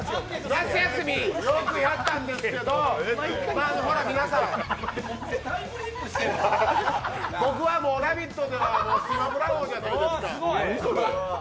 夏休み、よくやったんですけど、皆さん、僕はもう「ラヴィット！」でのスマブラ王じゃないですか。